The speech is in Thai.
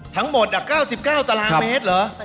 ทั้งหมดอะ๙๙ตรเมหรอ